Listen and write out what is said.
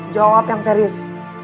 jawab yang serius